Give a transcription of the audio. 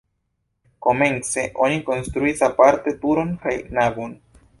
Komence oni konstruis aparte turon kaj navon.